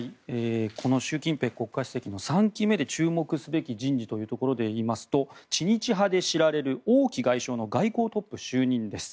この習近平国家主席の３期目で注目すべき人事というところで言いますと知日派で知られる王毅外相の外交トップ就任です。